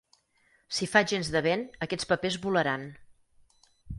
Si fa gens de vent, aquests papers volaran.